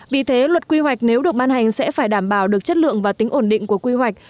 vì thế luật quy hoạch nếu được ban hành sẽ phải đảm bảo được chất lượng và tính ổn định của quy hoạch